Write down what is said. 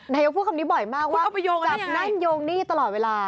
นายกพูดคำนี้บ่อยมากว่าจับนั่นโยงหนี้ตลอดเวลา